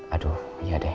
aduh ya deh